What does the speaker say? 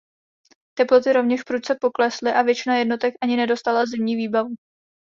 Teploty rovněž prudce poklesly a většina jednotek ani nedostala zimní výbavu.